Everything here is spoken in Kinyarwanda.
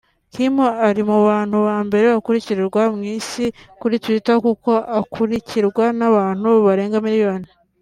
kim ari mubantu bambere bakurikirwa mwisi kuri tweeter kuko akurikirwa n’abantu barenga milioni